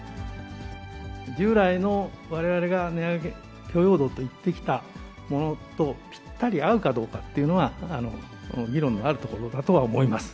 従来のわれわれが値上げ許容度と言ってきたものとぴったり合うかどうかというのは、これは議論のあるところだとは思います。